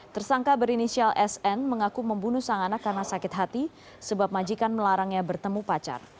tersangka berinisial sn mengaku membunuh sang anak karena sakit hati sebab majikan melarangnya bertemu pacar